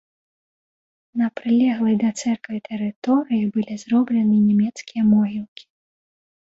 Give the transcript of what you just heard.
На прылеглай да цэрквы тэрыторыі былі зроблены нямецкія могілкі.